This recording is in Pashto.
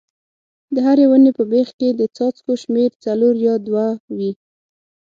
د هرې ونې په بیخ کې د څاڅکو شمېر څلور یا دوه وي.